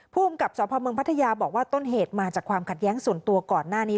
ภูมิกับสพเมืองพัทยาบอกว่าต้นเหตุมาจากความขัดแย้งส่วนตัวก่อนหน้านี้